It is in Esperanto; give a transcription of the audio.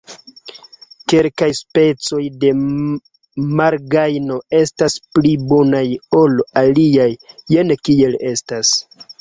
Kelkaj specoj de malgajno estas pli bonaj ol aliaj, jen kiel estas.